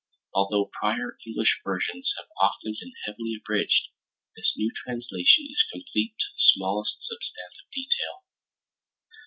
Although prior English versions have often been heavily abridged, this new translation is complete to the smallest substantive detail.